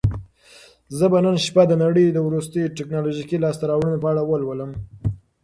زه به نن شپه د نړۍ د وروستیو ټیکنالوژیکي لاسته راوړنو په اړه ولولم.